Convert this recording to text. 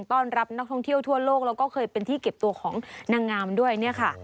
ต้อนรับนักท่องเที่ยวทั่วโลกแล้วก็เคยเป็นที่เก็บตัวของนางงามด้วยเนี่ยค่ะ